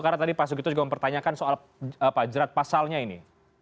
karena tadi pak segito juga mempertanyakan soal jerat pasalnya ini